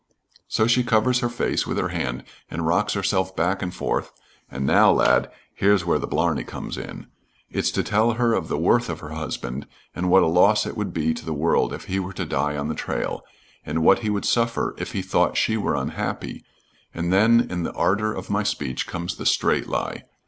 "So she covers her face with her hand and rocks herself back and forth, and now, lad, here's where the blarney comes in. It's to tell her of the worth of her husband, and what a loss it would be to the world if he were to die on the trail, and what he would suffer if he thought she were unhappy, and then in the ardor of my speech comes the straight lie.